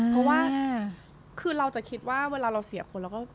เพราะว่าคือเราจะคิดว่าเวลาเราเสียคนเราก็